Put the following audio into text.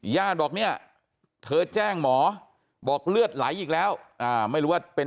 ญาติบอกเนี่ยเธอแจ้งหมอบอกเลือดไหลอีกแล้วไม่รู้ว่าเป็น